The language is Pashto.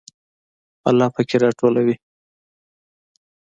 په لپه کې راټوي